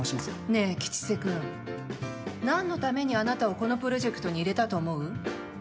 ねえ吉瀬君、何のためにあなたをこのプロジェクトに入れたと思う？